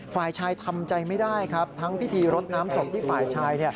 ฝ่ายชายทำใจไม่ได้ครับทั้งพิธีรดน้ำศพที่ฝ่ายชาย